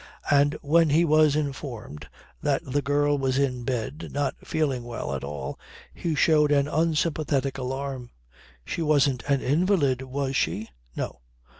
And when he was informed that the girl was in bed, not feeling well at all he showed an unsympathetic alarm. She wasn't an invalid was she? No.